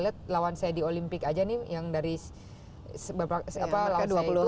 lihat lawan saya di olimpik aja nih yang dari sebab apa luar terata itu dibawah saya itu lebih